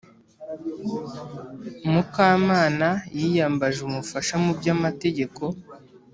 mukamana yiyambaje umufasha mu by’amategeko,